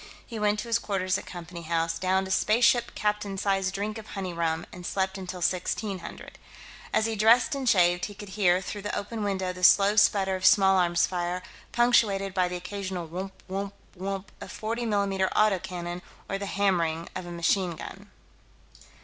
He went to his quarters at Company House, downed a spaceship captain's size drink of honey rum, and slept until 1600. As he dressed and shaved, he could hear, through the open window, the slow sputter of small arms' fire, punctuated by the occasional whump whump whump of 40 mm auto cannon or the hammering of a machine gun.